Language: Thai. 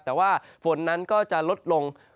แต่ว่าฝนนั้นก็จะลดลง